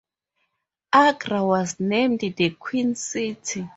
Agra was named the Queen City.